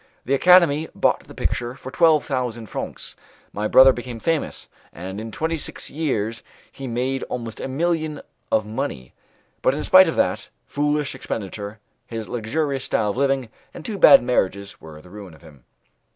The Academy bought the picture for twelve thousand francs, my brother became famous, and in twenty six years he made almost a million of money; but in spite of that, foolish expenditure, his luxurious style of living, and two bad marriages, were the ruin of him.